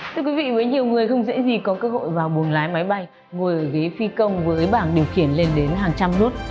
thưa quý vị với nhiều người không dễ gì có cơ hội vào buồng lái máy bay ngồi ở ghế phi công với bảng điều khiển lên đến hàng trăm nút